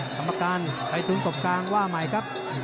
กรรมการไปทุนกบกลางว่าใหม่ครับ